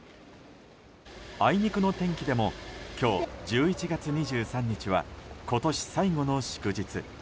あいにくの天気でも今日１１月２３日は今年最後の祝日。